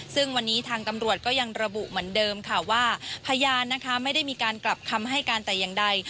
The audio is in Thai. ซึ่งวันนี้ทางตำรวจก็ยังระบุเหมือนเดิมค่ะว่าพยานนะคะไม่ได้มีการกลับคำให้การแต่อย่างใด